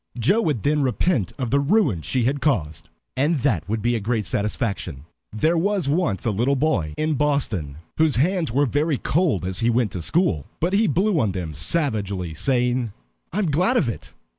Joe would then repent of the ruin she had caused, and that would be a great satisfaction. There was once a little boy in Boston whose hands were very cold as he went to school. But he blew on them savagely, saying, "I am glad of it!